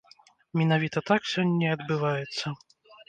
Менавіта так сёння і адбываецца.